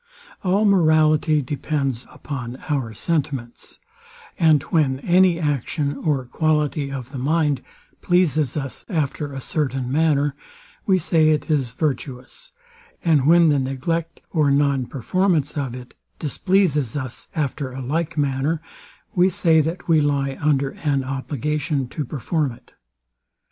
All morality depends upon our sentiments; and when any action, or quality of the mind, pleases us after a certain manner, we say it is virtuous; and when the neglect, or nonperformance of it, displeases us after a like manner, we say that we lie under an obligation to perform it.